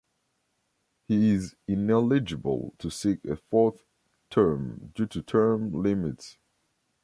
He is ineligible to seek a fourth term, due to term limits.